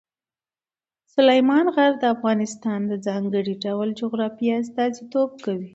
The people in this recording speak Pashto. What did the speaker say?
سلیمان غر د افغانستان د ځانګړي ډول جغرافیې استازیتوب کوي.